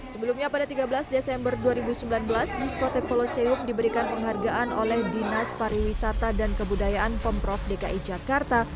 sebelumnya pada tiga belas desember dua ribu sembilan belas diskotek polosewuk diberikan penghargaan oleh dinas pariwisata dan kebudayaan pemprov dki jakarta